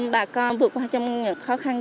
bà con vượt qua những khó khăn